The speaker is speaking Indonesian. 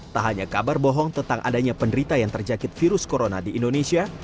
tak hanya kabar bohong tentang adanya penderita yang terjangkit virus corona di indonesia